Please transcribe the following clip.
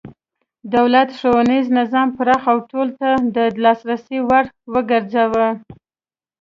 دولت ښوونیز نظام پراخ او ټولو ته د لاسرسي وړ وګرځاوه.